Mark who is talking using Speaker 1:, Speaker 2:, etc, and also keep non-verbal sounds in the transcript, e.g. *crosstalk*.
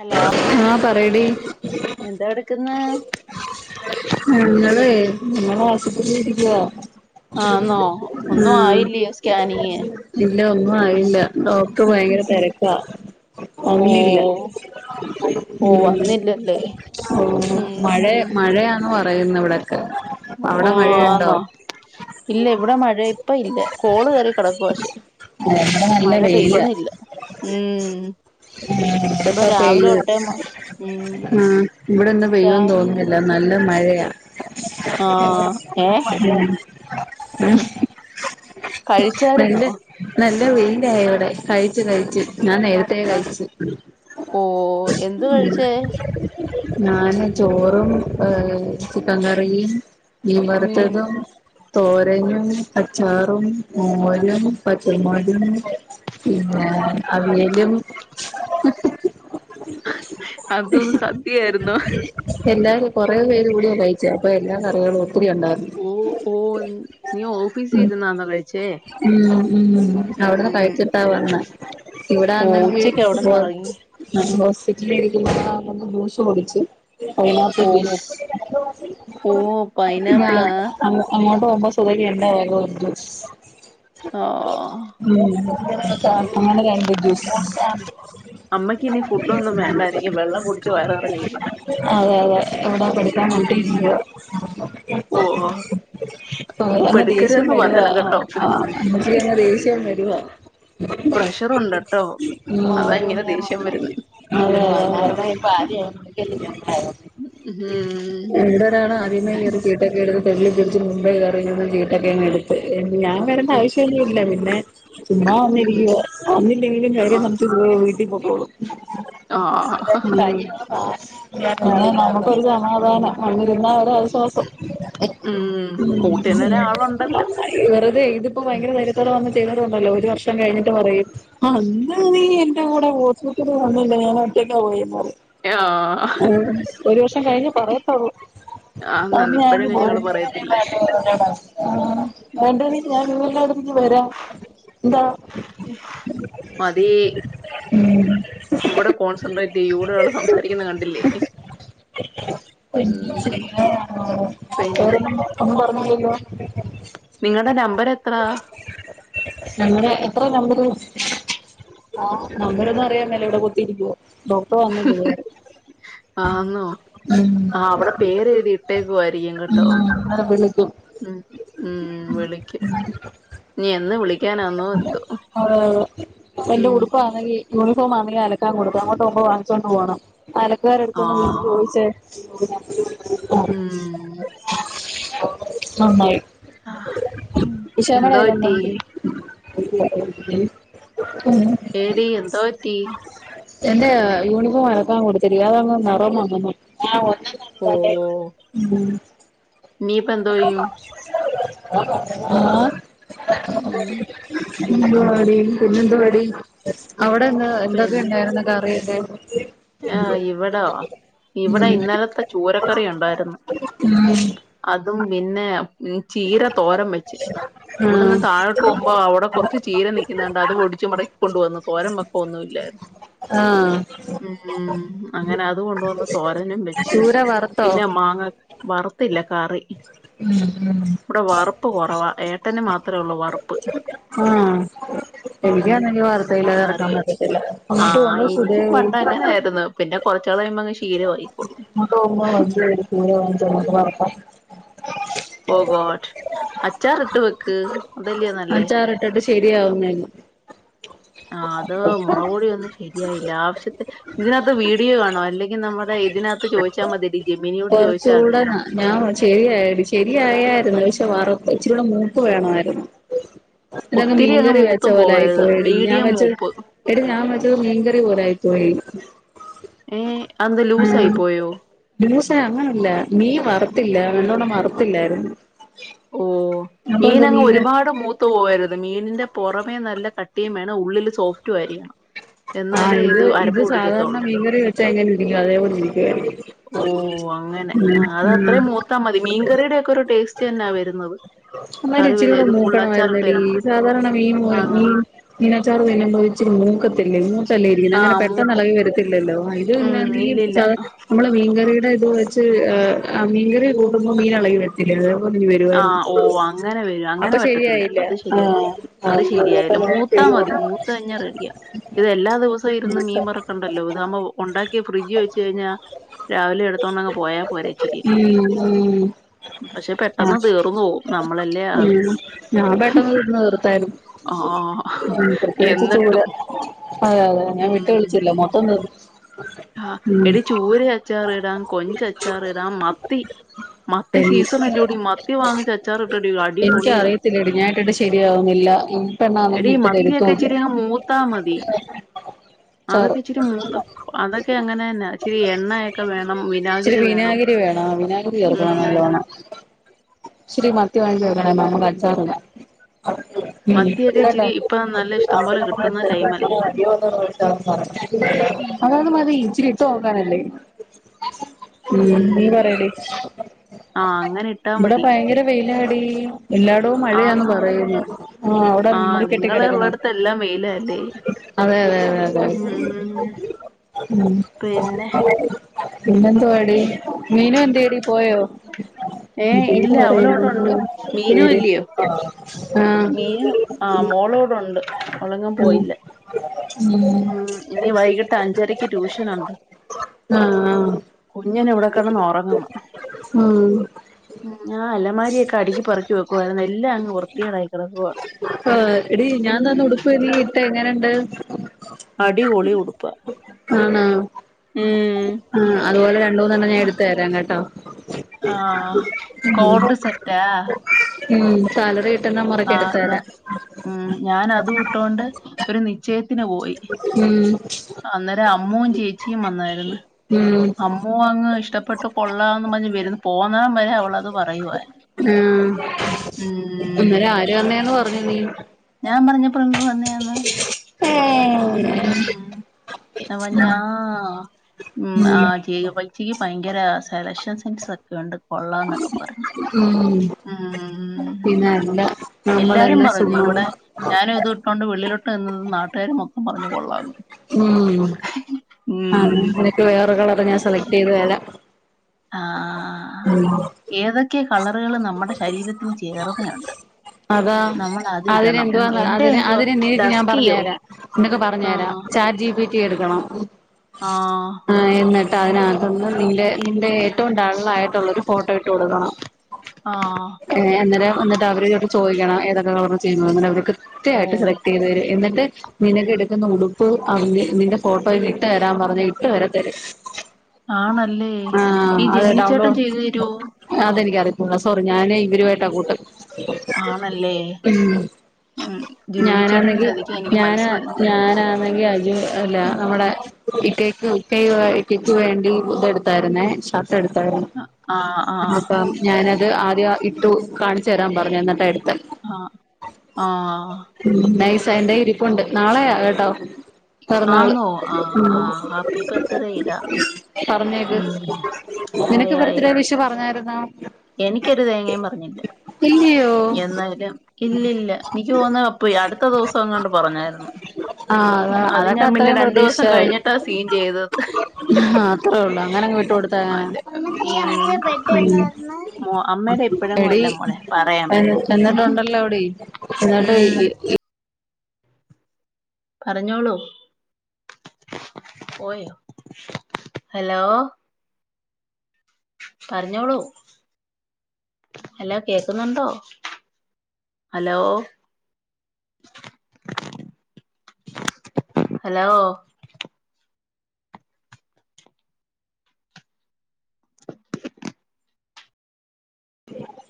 Speaker 1: Hello
Speaker 2: ആഹ് പറയടി
Speaker 1: എന്താ എടുക്കുന്ന
Speaker 2: ഞങ്ങളെ ഞങ്ങള് ആശുപത്രിയിലിരിക്കുവാ
Speaker 1: ആന്നോ ഒന്നും ആയില്ലേ സ്കാനിങ്ങ്
Speaker 2: ഇല്ല ഒന്നും ആയില്ല ഡോക്ടറ് ഭയങ്കര
Speaker 1: ഉം
Speaker 2: തെരക്കാ.
Speaker 1: ഓ
Speaker 2: വന്നില്ല
Speaker 1: ഓ
Speaker 2: ഹ്മ്മ്
Speaker 1: വന്നില്ലല്ലേ
Speaker 2: ഓഹ്
Speaker 1: ഉം
Speaker 2: മഴ
Speaker 1: ഉം
Speaker 2: മഴയാണോ അ പറയുന്നെ ഇവിടക്കെ
Speaker 1: ഓഹ് ആന്നോ, ഇല്ല ഇവിടെ മഴ ഇപ്പയില്ല കോള് കേയറി കെടക്കുകാ പക്ഷേ
Speaker 2: ഇവിടെ നല്ല
Speaker 1: മഴ പെയ്യുന്നില്ല. ഹ്മ്മ്
Speaker 2: ഇവിടൊക്കെ പെയ്ത്.
Speaker 1: ഉം
Speaker 2: ഹ്മ്മ് ഇവിടൊന്നും പെയ്യുന്ന്
Speaker 1: രാവിലെ
Speaker 2: തോന്നില്ല നല്ല മഴയാ
Speaker 1: ആഹ്, ഏഹ്
Speaker 2: നല്ല
Speaker 1: കഴിച്ചായിരുന്നോ
Speaker 2: നല്ല വെയിലായിവിടെ. കഴിച്ച് കഴിച്ച് ഞാനെ നേ രത്തെ
Speaker 1: ആ
Speaker 2: കഴിച്ച്.
Speaker 1: ഓ എന്ത്
Speaker 2: ഹ്മ്മ്
Speaker 1: കഴിച്ചേ
Speaker 2: ഞാന് ചോറും ഏഹ് ചിക്കൻ കറിയും മീൻ
Speaker 1: ഉം
Speaker 2: വറ്ത്തതും തോരഞ്ഞും അച്ചാറും മോരും പച്ചമൊളകും പിന്നെ അവിയലും *inaudible*
Speaker 1: അതും സദ്യയായിന്നോ
Speaker 2: എല്ലാരും കുറേ പേരും കൂടിയാ കഴിച്ചേ അപ്പൊ എല്ലാ കറികളും ഒത്തിരിയുണ്ടായിരുന്നു
Speaker 1: ഓഹ് ഓഹ് നീ ഓഫീസിരുന്നാന്നോ കഴിച്ചെ
Speaker 2: ഹ്മ്മ് ഹ്മ്മ് അവിടുന്ന്
Speaker 1: ഉം
Speaker 2: കഴിച്ചിട്ടാ വന്നെ
Speaker 1: ഓ
Speaker 2: ഇവിടാണെങ്കി
Speaker 1: ഉച്ചക്ക്
Speaker 2: ഹോ
Speaker 1: അവിടെന്ന് ഇറങ്ങി
Speaker 2: ഹോസ്പിറ്റലിരിക്കുമ്പോ ആണെങ്കിൽ ജ്യൂസ്‌ കുടിച്ച് പൈനാപ്പിൾ
Speaker 1: ഓ
Speaker 2: ജ്യൂസ്‌
Speaker 1: ഓ
Speaker 2: *unintelligible* ഞാൻ
Speaker 1: പൈനാപ്പിളാ
Speaker 2: ആഹ് അങ്ങോട്ട് പോകുമ്പോ സുഖല്ലാ *unintelligible*
Speaker 1: ആ
Speaker 2: ഹ്മ്മ് അങ്ങനെ രണ്ട് ജ്യൂസ്
Speaker 1: അമ്മയ്ക്കിനി ഫുഡോന്നും വേണ്ടായിരിക്കും വെള്ളം കുടിച്ച് വയറ് നെറഞ്ഞിരിക്കും
Speaker 2: അതെ എവിടെ പഠിക്കാൻ
Speaker 1: ഓ
Speaker 2: *unintelligible* *inaudible* അങ്ങ് ദേഷ്യം
Speaker 1: പെടുക്കരുതെന്ന്
Speaker 2: വരുവാ
Speaker 1: പറയണം
Speaker 2: ആഹ്
Speaker 1: കേട്ടോ
Speaker 2: ആഹ് അമ്മയ്ക്കങ്ങ് ദേഷ്യം വരുവാ *inaudible* ഹ്മ്മ്
Speaker 1: പ്രഷറുണ്ട് കേട്ടോ അതാ ഇങ്ങനെ ദേഷ്യം വരുന്നേ
Speaker 2: അതെ *unintelligible* ഹോസ്പിറ്റലിൽ നിക്കണ്ടയോ
Speaker 1: ആഹ്
Speaker 2: എന്തരാണ് ആദ്യമേ കയറി ഷീട്ടൊക്കെടുത്ത് തള്ളി പിരിച്ചു മുമ്പേ കറിയങ്ങു ചീട്ടൊക്കെ എടുത്ത് ഞാൻ വരേണ്ട ആവശ്യമൊന്നുമില്ല പിന്നെ ചുമ്മാ വന്നിരിക്കുവാ വന്നില്ലെങ്കിലും
Speaker 1: ആ
Speaker 2: കാര്യമൊന്നും വീട്ടിൽ പൊക്കോളും
Speaker 1: ആ
Speaker 2: *unintelligible* പിന്നെ നമുക്കൊരു സമാധാനാ വന്നിരുന്നാല് ഒരു ആശ്വാസം *inaudible*
Speaker 1: ഉം കൂട്ടിന്
Speaker 2: ഹ്മ്മ്
Speaker 1: ഒരാളുണ്ടല്ലോ
Speaker 2: വെറുതെ ഇതിപ്പോ ഭയങ്കര ധൈര്യത്തോടെ വന്നു ചെയ്തതു കൊണ്ടല്ലോ ഒരു വർഷം കഴിഞ്ഞിട്ട് പറയും അന്ന് നീ എന്റെ കൂടെ ഹോസ്പിറ്റിൽ വന്നില്ലേ ഞാൻ ഒറ്റക്കാ പോയെന്ന് പറയും
Speaker 1: ആഹ്.
Speaker 2: ആ ഒരു വർഷം കഴിഞ്ഞേ പറയത്തുള്ളൂ
Speaker 1: ആ എന്നാ
Speaker 2: അത് ഞാൻന്റെ
Speaker 1: ഇപ്പഴെങ്ങും ഞങ്ങള്
Speaker 2: ബോർഡ്
Speaker 1: പറയത്തില്ല
Speaker 2: ആ വേണ്ട നീ ഞാൻ സുഖോല്ലാടന്നട്ട് വരാം എന്താ
Speaker 1: അതെ ഇവിടെ കോൺസെൻട്രേറ്റ് ചെയ്യൂ ഇവിടെ ഒരാള് സംസാരിക്കുന്നത് കണ്ടില്ലേ ഉം പിന്നെ
Speaker 2: അതും പറഞ്ഞില്ലല്ലോ
Speaker 1: നിങ്ങടെ നമ്പർ എത്രാ
Speaker 2: നമ്മുടെ എത്രാ നമ്പരു ആ നമ്പരൊന്നും അറിയാമേല ഇവിടെ കുത്തിരിക്കുവാ ഡോക്ടർ വന്നില്ല ഇത്വരെ
Speaker 1: ആഹ്ന്നോ ആഹ് അവിടെ പേരെഴുതിയിട്ടേക്കുവായിരിക്കും കേട്ടോ
Speaker 2: ഉം അന്നേരം വിളിക്കും
Speaker 1: ഉം ഉം വിളിക്കും ഇനി എന്ന് വിളിക്കും
Speaker 2: അ എന്റെ
Speaker 1: ഉം
Speaker 2: ഉടുപ്പ് ആണെങ്കി യൂണിഫോം ആണെങ്കിൽ അലക്കാൻ കൊടുത്ത അങ്ങോട്ട് പോവുമ്പം വാങ്ങിച്ചോണ്ട് പോണം അലക്കാരോടൊന്ന്
Speaker 1: ആഹ്
Speaker 2: ചോദിച്ചേ *unintelligible*
Speaker 1: ഉം
Speaker 2: നന്നായി
Speaker 1: ആ, ഉം എന്തോ
Speaker 2: വിശമ്മേട
Speaker 1: പറ്റി
Speaker 2: *unintelligible* ഉം
Speaker 1: ഏടീ എന്താ പറ്റി
Speaker 2: എന്റെ യൂണിഫോം അലക്കാൻ കൊടുത്തിരിക്ക അതങ്ങ് നെറം മങ്ങുന്നു
Speaker 1: ഓ
Speaker 2: ഉം
Speaker 1: നീ പ എന്തോയും
Speaker 2: ആഹ്
Speaker 1: ഉം
Speaker 2: ന്ത്വാടി പിന്നെന്ത്വാടി അവിടെന്ന് എന്തൊക്കെ
Speaker 1: പിന്നെ
Speaker 2: ഉണ്ടായിര്ന്ന് കറിവച്ചെ
Speaker 1: ആഹ് ഇവിടോ ഇവിടെ ഇന്നലത്തെ ചൂരക്കറി ഉണ്ടായിരുന്നു
Speaker 2: ഉം
Speaker 1: അതും പിന്നെ ചീര തോരം വെച്ച് ഇവിടുന്ന്
Speaker 2: ആഹ്
Speaker 1: താഴ പോകുമ്പോൾ അവിടെ കുറച്ച് ചീര നിക്കുന്നുണ്ട് അത് ഒടിച്ച് മടക്കിക്കൊണ്ട് വന്നു തോരം വെക്കാൻ ഒന്നും ഇല്ലായിരുന്നു
Speaker 2: ആഹ്
Speaker 1: ഉം അങ്ങനെ അത് കൊണ്ടുവന്ന് തോരനും വെച്ച്
Speaker 2: ചൂര വറുത്തോ
Speaker 1: പിന്നെ മാങ്ങ വറുത്തില്ല കറി
Speaker 2: ഉം ഉം
Speaker 1: ഇവിടെ വറുപ്പ് കുറവാ ഏട്ടന് മാത്രമേ ഉള്ളൂ വറുപ്പ്
Speaker 2: ആ
Speaker 1: ഉം
Speaker 2: എനിക്കാണെങ്കി വാർത്തയില്ലാത
Speaker 1: കറി
Speaker 2: എറക്കാൻ പറ്റത്തില്ല അങ്ങോട്ട് പോന്നു സുധേ
Speaker 1: അങ്ങനെയായിരുന്നു പിന്നെ കൊറച്ചാള് കഴിപോ ശീലമായിക്കോളും
Speaker 2: *unintelligible*
Speaker 1: പോകോട്ട അച്ചാറ് ഇട്ട് വെക്ക് അതല്ലയെ നല്ലേ
Speaker 2: ഇട്ടോട്ട് ശരിയാവുന്നരുന്നു
Speaker 1: ആ അത് മുളക്കൊടിയൊന്നും ശരിയായില്ല ആവശ്യത്തെ ഇതിനകത്ത് വീഡിയോ കാണോ അല്ലെങ്കിൽ നമ്മുടെ ഇതിനകത്ത് ചോദിച്ചാൽ മതിയടി ജമീനിയോട് ചോദിച്ചാൽ മതി
Speaker 2: ഞാ *unintelligible* ശരിയായടി ശരിയായായിരുന്നു പക്ഷെ വറപ്പ് ഇച്ചികുടെ മൂക്ക് വേണയിരുന്നു ഇതങ്ങ്
Speaker 1: ഒത്തിരി അങ്ങ്
Speaker 2: മീൻകറി വെച്ച
Speaker 1: മൂത്തും
Speaker 2: പോലെ ആയി
Speaker 1: പോവരുത്
Speaker 2: പോയടി ഞാൻ
Speaker 1: മീഡിയം
Speaker 2: വെച്ചത്
Speaker 1: മൂപ്പ്
Speaker 2: എടി ഞാൻ വെച്ചത് മീൻകറി പോലെയായി പോയി
Speaker 1: ഏ അത് എന്താ ലൂസ ആയി
Speaker 2: ആഹ്
Speaker 1: പോയോ
Speaker 2: *unintelligible* അങ്ങനല്ല മീൻ വറുത്തില്ല
Speaker 1: ഉം.
Speaker 2: നല്ലോണം വറുത്തില്ലായിരുന്നു
Speaker 1: ഓ
Speaker 2: അപ്പൊ എന്തോ
Speaker 1: മീനങ്ങ്
Speaker 2: മീന്
Speaker 1: ഒരുപാട് മൂ പോകരുത് മീനിന്റെ പുറമേ നല്ല കട്ടിയും വേണം ഉള്ളിൽ സോഫ്റ്റ് ആയിരിക്കണം
Speaker 2: ആഹ്
Speaker 1: എന്നാലേ
Speaker 2: ഇത് ഇത്
Speaker 1: അരപ്പ്
Speaker 2: സാധാരണ
Speaker 1: പിടിക്കത്തുള്ളൂ
Speaker 2: മീൻകറി വെച്ച എങ്ങനെ ഇരിക്കും അതേപോലെ ഇരിക്കുവയിരിക്കും
Speaker 1: ഓഹ് അങ്ങനെ ആഹ് അത് അത്രയും മൂത്താ മതി മീൻകറിയുടെക്കെ ഒരു ടെസ്റ്റ് തന്നെ വരുന്നത്
Speaker 2: അന്നല്ലും
Speaker 1: കറി
Speaker 2: ഇച്ചിരിമ്മ്
Speaker 1: വെ-
Speaker 2: കൂടെ
Speaker 1: ഇത് ഫുൾ അച്ചാറിട്ട്
Speaker 2: മൂക്കണമായിരുന്നടി
Speaker 1: വരുമ്പോ
Speaker 2: സാധാരണ മീൻപോലെ
Speaker 1: ആന്നോ
Speaker 2: മീൻ മീനച്ചാറു തിനുബോ ഇച്ചിരി മൂക്കത്തില്ലേ മൂക്കല്ലേ ഇരിക്കുന്നു
Speaker 1: ആ
Speaker 2: അങ്ങനെ പെട്ടെന്ന്
Speaker 1: മൂക്കും
Speaker 2: ഇളകി വരത്തില്ലല്ലോ ആയില്
Speaker 1: ഉം
Speaker 2: വന്നേ നീ
Speaker 1: ഇല്ലില്ല
Speaker 2: *unintelligible* നമ്മള് മീൻകറിയുടെ ഇത് വെച്ച് എഹ് മീൻകറി കൂട്ടുബോ മീൻ ഇളകി വ തിലെ *unintelligible* വരും
Speaker 1: ആഹ് ഓഹ് അങ്ങനെ വര അങ്ങനെ പറ്റത്തില്ല
Speaker 2: ശരിയായില്ല
Speaker 1: അത് ശെരിയ
Speaker 2: ആഹ് ആഹ്
Speaker 1: അത്
Speaker 2: ഇനി ഒരു വട്ടം
Speaker 1: ശെരിയായില്ല
Speaker 2: കൂടെ
Speaker 1: മൂത്താ
Speaker 2: ചെയ്ത്
Speaker 1: മതി
Speaker 2: നോക്കണം
Speaker 1: മൂത്തഴിഞ്ഞാ റെഡിയാ ഇത് എല്ലാ ദിവസവും ഇരുന്ന് മീൻ വറക്കണ്ടല്ലോ ഇതാകുമ്പോ ഉണ്ടാക്കി ഫ്രിജിൽ വെച്ച് കഴിഞ്ഞാ രാവിലെ എടുത്തോണങ് പോയാ പോരെ ഇച്ചിരിട്ട്
Speaker 2: ഉം ഉം
Speaker 1: പക്ഷെ പെട്ടെന്ന്
Speaker 2: ആഹ്
Speaker 1: തീർന്നു പോവും നമ്മളല്ലേ ആള്
Speaker 2: ഉം ഞാൻ പെട്ടെന്ന് തീന്ന് തീർത്തായിരുന്നു
Speaker 1: ആ
Speaker 2: ഉം പ്രത്യേകിച്ച് ചോറ്
Speaker 1: എന്നിട്ടും
Speaker 2: അതെ അതെ ഞാൻ വിട്ട് വിളിച്ചില്ല മൊത്തം തീർന്ന്
Speaker 1: ആഹ് എടി ചൂര അച്ചാറി ഇടാം കൊഞ്ച് അച്ചാറി ഇടാം മത്തി മത്തി
Speaker 2: ശരി
Speaker 1: സീസൺ അല്ലൂടി മത്തി വാങ്ങ അച്ചാർ ഇട്ട്നോക്ക് അടിപൊളിയാ
Speaker 2: എനിക്കറിയത്തില്ലടി ഞാൻ ഇട്ടിട്ട് ശരിയാവുന്നില്ല ഈ പെണ്ണാണെങ്കി
Speaker 1: എടി
Speaker 2: ഇട്ട്
Speaker 1: മത്തിയൊക്കെ
Speaker 2: തരുത്തൂല്ല
Speaker 1: ഇച്ചിരി മൂ ത്താ മതി അതൊക്കെ
Speaker 2: ചാറ്
Speaker 1: ഇച്ചിരി മൂത്ത് അതൊക്കെ അങ്ങനെന്നെ ഇച്ചിരി എണ്ണയെക്കെ വേണം
Speaker 2: ഇച്ചിരി
Speaker 1: വിനാഗിരി വേണം
Speaker 2: വിനാഗിരി വേണം വിനാഗിരി
Speaker 1: ഉം
Speaker 2: ചേർക്കണം നല്ലോണം ഇച്ചിരി മത്തിവാങ്‌ച്ച് വെക്കണം നമ്മക് അച്ചാറിടാ ഉം
Speaker 1: മത്തിയൊക്കെ ഇച്ചിരി ഇപ്പൊ നല്ല
Speaker 2: *inaudible*
Speaker 1: ഇഷ്ടം പോലെ കിട്ടുന്ന ടൈമല്ലേ
Speaker 2: അതത് മതി ഇച്ചിരി ഇട്ട് നോകാനല്ലേ ഉം നീ പറയടി
Speaker 1: ആഹ് അങ്ങനെ ഇട്ട
Speaker 2: ഇവിടെ
Speaker 1: മതി
Speaker 2: ഭയങ്കര വെയിലാടി എല്ലാടോം മഴയാന്ന്
Speaker 1: ആന്നോ
Speaker 2: പറയുന്നു ആഹ് അവിടെ
Speaker 1: ആ
Speaker 2: മൂടി കെട്ടി
Speaker 1: നിങ്ങള്
Speaker 2: കെടക്കുന്നു
Speaker 1: ഉള്ളടത്തെല്ലാം വെയിലല്ലേ
Speaker 2: അതെ അതെ അതെ അതെ
Speaker 1: ഉം
Speaker 2: ഉം
Speaker 1: പിന്നെ
Speaker 2: പിന്നെന്തോ വ മീനു എന്തെടി പോയോ
Speaker 1: ഏ ഇല്ല അവള് ഇവിടുണ്ട്
Speaker 2: പറയുന്നില്ല
Speaker 1: മീനു
Speaker 2: പേര്
Speaker 1: അല്ലയോ
Speaker 2: ആഹ്
Speaker 1: മീനു ആഹ് മോളിവിടെ ഉണ്ട് ഓള് എങ്ങും പോയില്ല
Speaker 2: ഉം
Speaker 1: ഉം ഇനി വൈകിട്ട് അഞ്ചരക്ക് ട്യൂഷനുണ്ട്
Speaker 2: ആഹ് ആഹ്
Speaker 1: കുഞ്ഞന് ഇവിടെകെടന്ന് ഉറങ്ങ്ന്ന്
Speaker 2: ഉം
Speaker 1: ഉം ആഹ് അലമാരിയൊക്കെ അടുക്കി പറക്കി വെക്കുവായിരുന്നു എല്ലാം അങ്ങ് വൃത്തിക്കെടായി കെടക്കുവാ
Speaker 2: ആഹ് എടി ഞാൻ തന്ന ഉടുപ്പ് ട്ടേ എങ്ങനെണ്ട്
Speaker 1: അടിപൊളി ഉടുപ്പ
Speaker 2: ആണോ? ആഹ് അതുപോലെ രണ്ടൂന്നെണ്ണം ഞാൻ എടുത്തുതരാം കെട്ടോ.
Speaker 1: ആഹ് കോഡ് സെറ്റാ
Speaker 2: ഉം സാലറി കിട്ടുന്ന മുറക്ക്
Speaker 1: ആഹ്
Speaker 2: എടുത്ത്
Speaker 1: ഞാൻ
Speaker 2: തരാം
Speaker 1: ഉം ഞാനതു വിട്ടോണ്ട് ഒരു നിശ്ചയത്തിന് പോയി.
Speaker 2: ഉം
Speaker 1: അന്നേരം അമ്മൂ ചേച്ചിയും വന്നാര്ന്നു
Speaker 2: ഉം
Speaker 1: അമ്മൂ അങ്ങ് ഇഷ്ടപ്പെട്ട് കൊള്ളാന്നും പറഞ്ഞ് വിരുന്ന് പോന്നാം വരെ അവളത് പറയുവായിരുന്നു ഉം
Speaker 2: അന്നേരെ ആര് തന്നെന്ന് പറഞ്ഞു നീ
Speaker 1: ഞാൻ പറഞ്ഞ പ്രിംഗുവന്നെയാന്ന്.
Speaker 2: ഏഹ്
Speaker 1: ഉ അവഞ്ഞാ ഉം ആ ചെയ്യോ പൈ ചീ പയങ്കര സെലക്ഷൻ സെൻസൊക്കെണ്ട് കൊള്ളാംന്നക്കെ പറഞ്ഞ്.
Speaker 2: ഉം
Speaker 1: ഉം
Speaker 2: പിന്നെ അല്ല
Speaker 1: എല്ലാരും
Speaker 2: നമ്മളെന്നെ
Speaker 1: പറഞ്ഞു ഇവിടെ
Speaker 2: ചുമ്മാ
Speaker 1: ഞാനുത് ഇട്ടുകോണ്ട് വള്ളിലിട്ട് എന്നത് നാട്ടുകാരും മൊത്തം പറഞ്ഞു കൊള്ളാകും.
Speaker 2: ഉം ആന്ന്
Speaker 1: ഉം
Speaker 2: നിനക്ക് വേറെ കളറ് ഞാൻ സെലക്ട്യ്ത് തരാം.
Speaker 1: ആഹ് ആഹ് ആഹ്
Speaker 2: ഉം
Speaker 1: ഏതക്കെ കളറുകള് നമ്മടെ ശരീരത്തിന് ചേർന്നയൊണ്ട്.
Speaker 2: അതാ അതിനെന്തുവാണ്
Speaker 1: എന്റെ
Speaker 2: അതിന്
Speaker 1: എന്തുവാ
Speaker 2: അതിന് നീട്ടി ഞാ
Speaker 1: ഡസ്കിയോ
Speaker 2: പറഞ്ഞരാ നിക്ക് പറഞ്ഞര.
Speaker 1: ആഹ്
Speaker 2: ചാറ്റ് ജി പി ട്ടി എടുക്കണം
Speaker 1: ആഹ്‌.
Speaker 2: എന്നിട്ട് അയിനാത്തന്ന് നിന്റെ നിൻ്റെ ഏറ്റവും ഡള്ളായിട്ടുള്ളൊരു ഫോട്ടോ ഇട്ട് കൊടുക്കണം.
Speaker 1: ആഹ്
Speaker 2: ഏഹ് എങ്ങനെ എന്നിട്ട് അവരോട് ചോദിക്കണം ഏതൊക്കെ കളർ ചേരനെന്ന് അവര്
Speaker 1: ഓ
Speaker 2: കൃത്യയിട്ട് സെലക്ട് ട്ടെയ്ത് ന്നിട്ട് നിനക്ക് എടക്കന്നെ ഉടു പ്പ് അവന്റെ ഫോട്ടോ ഇത് ഇട്ടു തരാൻ പറഞ്ഞ ഇട്ടു വരേ തരു.
Speaker 1: ആണല്ലേ ഈ ജമിനിച്ചേട്ടൻ ചെയ്തു തരുവോ
Speaker 2: അതെനിക്കറയിത്തില്ല സോറി ഞാന് ഇവരുവായിട്ടാ കൂട്ട്.
Speaker 1: ആണല്ലേ ഉം ജെമിനിച്ചേട്ടനെ
Speaker 2: ഞാനാണെങ്കി
Speaker 1: ചതിക്കാൻ എനിക്ക്
Speaker 2: ഞാനാ
Speaker 1: മനസ്സ് വരുന്നില്ല
Speaker 2: ഞാനാ വയ്യങ്കി അല്ല
Speaker 1: ഉം
Speaker 2: അമ്മടെ ഇക്കക്ക് ഇക്കയു ഇക്കാക്ക് വേണ്ടി ഇതെടുത്താരുന്നേ ശാ ട്ട് എടതേൻ
Speaker 1: അ- ആഹ് ആഹ്
Speaker 2: അപ്പ ഞാനത് ആദ്യ ഇട്ടു കാണിചേരാൻ പറഞ്ഞു എന്നിട്ടാ എടുത്തെ
Speaker 1: ആഹ്‌ ആഹ്
Speaker 2: നൈസ എന്റയ് ഇരിപ്പൊണ്ട് നാളെയാ കെട്ടോ. പൊറന്നാള്
Speaker 1: ആന്നോ ആഹ് ആഹ് ഹാപ്പി ബർത്ത്ഡേ ഇടാ
Speaker 2: ഉം പറഞ്ഞേത്
Speaker 1: ഉം യാ
Speaker 2: നിനക്ക്
Speaker 1: യാ
Speaker 2: ബർത്തഡേ
Speaker 1: യാ
Speaker 2: വിഷ് പറഞ്ഞായിരുന്നോ?
Speaker 1: എനിക്കൊരു തേങ്ങേ പറഞ്ഞില്ല.
Speaker 2: ഇല്ലിയോ?
Speaker 1: എന്നാലും ഇല്ലില്ല എനിക്ക് തോന്നെ യ്പ്പ അടുത്ത ദിവസംങ്ങാണ്ട് പറഞ്ഞായിരുന്നു.
Speaker 2: ആഹ് അത
Speaker 1: അത് ഞാ
Speaker 2: അതൊക്കെ
Speaker 1: പിന്നെ
Speaker 2: അത്രയും
Speaker 1: രണ്ടു ദിവസം
Speaker 2: പ്രതീക്ഷിച്ചാ മതി
Speaker 1: കഴിഞ്ഞിട്ടാ സീൻ ചെയ്തത്
Speaker 2: ആഹ് അത്രേ ഉള്ളൂ അങ്ങനങ്ങ് വിട്ട് കൊടുത്താ എങ്ങനാ
Speaker 1: അല്ല
Speaker 2: ഉം
Speaker 1: അമ്മായിടെ ഇപ്പലൊന്നു എല്ല പറയാ പിന്നെ.
Speaker 2: തള്ളോടി എന്നിട്ട്
Speaker 1: ഉം
Speaker 2: ഈ ഈ ഈ
Speaker 1: പറഞ്ഞോളൂ പോയോ ഹലോ? പറഞ്ഞോളൂ ഹലോ കേക്കുന്നുണ്ടോ ഹലോ? ഹലോ?